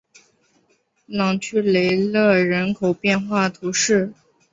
朗屈雷勒人口变化图示